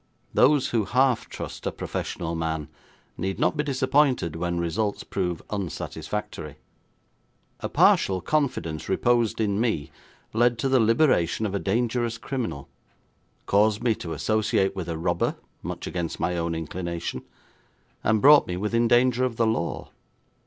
Those who half trust a professional man need not be disappointed when results prove unsatisfactory. A partial confidence reposed in me led to the liberation of a dangerous criminal, caused me to associate with a robber much against my own inclination, and brought me within danger of the law.